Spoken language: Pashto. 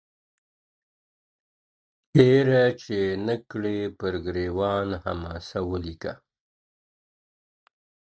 هېره چي یې نه کې پر ګرېوان حماسه ولیکه.